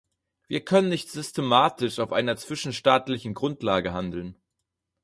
Wir können nicht systematisch auf einer zwischenstaatlichen Grundlage handeln.